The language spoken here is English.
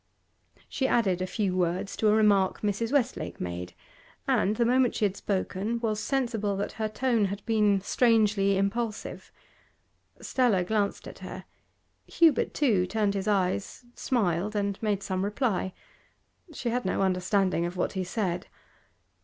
She added a few words to a remark Mrs. Westlake made, and, the moment she had spoken, was sensible that her tone had been strangely impulsive. Stella glanced at her. Hubert, too, turned his eyes, smiled, and made some reply; she had no understanding of what he said.